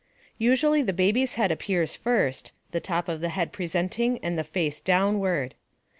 _ Usually the baby's head appears first, the top of the head presenting and the face downward.